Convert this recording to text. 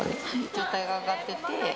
上体が上がってて。